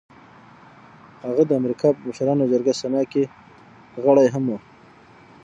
هغه د امريکا په مشرانو جرګه سنا کې غړی هم و.